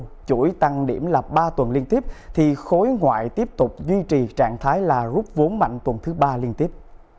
trong chuỗi tăng điểm là ba tuần liên tiếp thì khối ngoại tiếp tục duy trì trạng thái là rút vốn mạnh tuần thứ ba liên tiếp